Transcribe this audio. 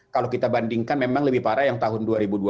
kalau kita bandingkan memang lebih parah yang tahun dua ribu dua puluh